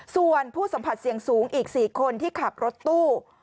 ส่วนผู้สัมผัสเสี่ยงสูงอีก๔คนที่ขับรถตู้